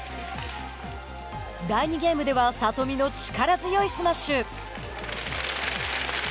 第２ゲームでは里見の力強いスマッシュ。